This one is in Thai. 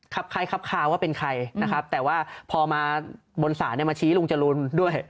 ใครครับคาวว่าเป็นใครนะครับแต่ว่าพอมาบนศาลเนี่ยมาชี้ลุงจรูนด้วย